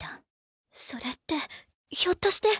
それってひょっとして。